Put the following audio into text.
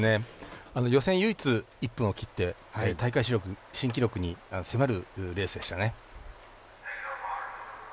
予選唯一、１分を切って大会新記録に迫るレースでしたね。